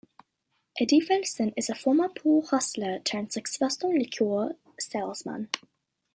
Eddie Felson is a former pool hustler turned successful liquor salesman.